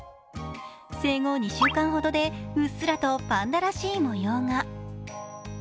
生後２週間ほどで、うっすらとパンダらしい模様が。